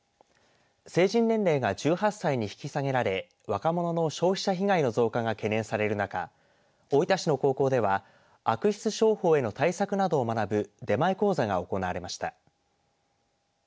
成人年齢が１８歳に引き下げられ若者の消費者被害の増加が懸念される中大分市の高校では悪質商法への対策などを学ぶ出前講座が行われました。